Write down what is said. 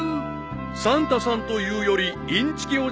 ［サンタさんというよりインチキおじさんである］